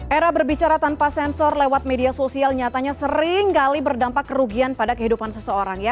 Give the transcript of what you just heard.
era berbicara tanpa sensor lewat media sosial nyatanya sering kali berdampak kerugian pada kehidupan seseorang ya